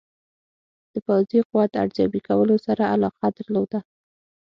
د پوځي قوت ارزیابي کولو سره علاقه درلوده.